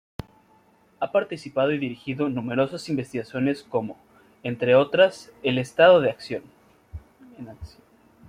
Ha participado y dirigido numerosas investigaciones como, entre otras: "El estado en acción.